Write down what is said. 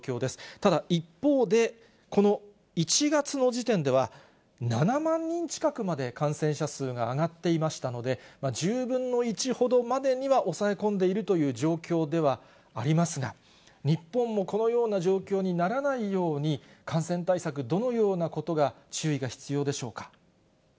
ただ一方で、この１月の時点では、７万人近くまで感染者数が上がっていましたので、１０分の１ほどにまでは抑え込んでいるという状況ではありますが、日本もこのような状況にならないように、感染対策、どのようなことが注意が必要でしょうか。